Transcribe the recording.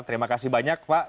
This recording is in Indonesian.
terima kasih banyak pak